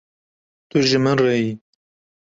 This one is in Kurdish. Tu ji min re yî.